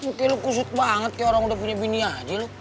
oke lu kusut banget kayak orang udah punya bini aja lo